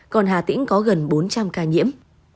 còn hà tĩnh có gần bốn trăm linh ca nhiễm